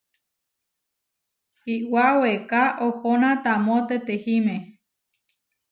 Iʼwá weeká oʼhóna taamó tetehíme.